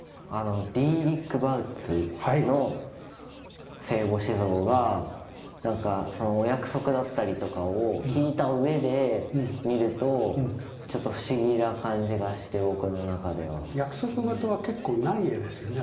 ディーリック・バウツの聖母子像がなんかお約束だったりとかを聞いたうえで見るとちょっと不思議な感じがして僕の中では。約束事は結構ない絵ですよね